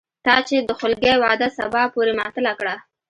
تا چې د خولګۍ وعده سبا پورې معطله کړه